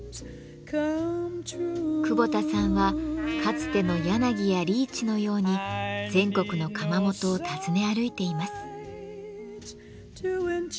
久保田さんはかつての柳やリーチのように全国の窯元を訪ね歩いています。